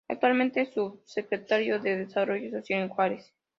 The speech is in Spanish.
Actualmente es subsecretario de Desarrollo Social en Juárez.